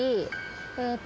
えーっと。